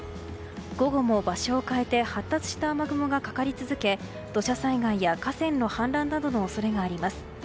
午後も、場所を変えて発達した雨雲がかかり続け土砂災害や河川の氾濫などの恐れがあります。